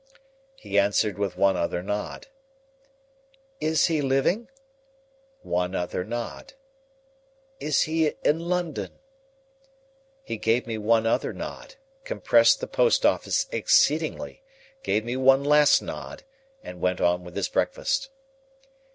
He answered with one other nod. "Is he living?" One other nod. "Is he in London?" He gave me one other nod, compressed the post office exceedingly, gave me one last nod, and went on with his breakfast.